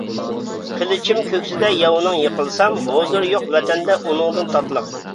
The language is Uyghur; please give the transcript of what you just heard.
قىلىچىم كۆكسىدە ياۋنىڭ يېقىلسام، ھۇزۇر يوق ۋەتەندە ئۇنىڭدىن تاتلىق.